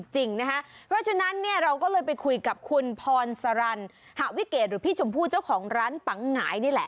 เพราะฉะนั้นเนี่ยเราก็เลยไปคุยกับคุณพรสรรหวิเกตหรือพี่ชมพู่เจ้าของร้านปังหงายนี่แหละ